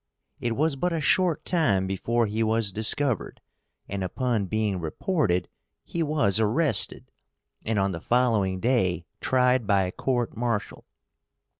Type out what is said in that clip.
It was but a short time before he was discovered, and upon being reported he was arrested, and on the following day tried by court martial.